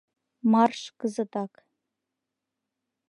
Марш кызытак!